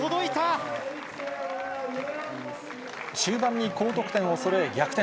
終盤に高得点をそろえ、逆転。